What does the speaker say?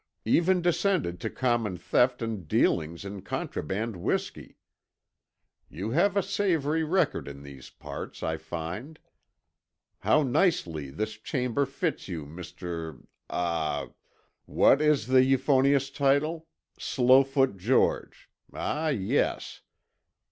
Even descended to common theft and dealings in contraband whisky. You have a savory record in these parts, I find. How nicely this chamber fits you, Mr.—ah—what is the euphonious title? Slowfoot George. Ah, yes.